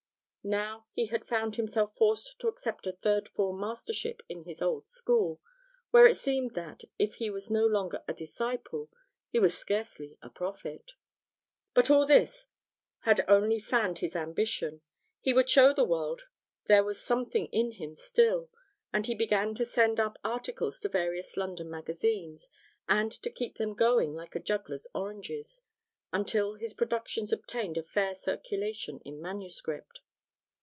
Now he had found himself forced to accept a third form mastership in his old school, where it seemed that, if he was no longer a disciple, he was scarcely a prophet. But all this had only fanned his ambition. He would show the world there was something in him still; and he began to send up articles to various London magazines, and to keep them going like a juggler's oranges, until his productions obtained a fair circulation, in manuscript.